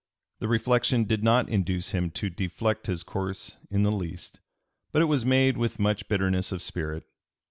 The reflection did not induce him to deflect his course in the least, but it was made with much bitterness of spirit.